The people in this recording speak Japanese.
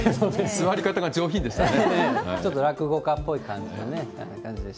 座り方が上品でしたね。